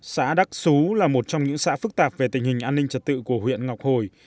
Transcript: xã đắc xú là một trong những xã phức tạp về tình hình an ninh trật tự của huyện ngọc hồi